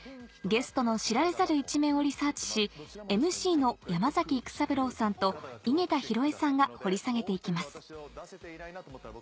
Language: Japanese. ゲストの知られざる一面をリサーチしＭＣの山崎育三郎さんと井桁弘恵さんが掘り下げて行きます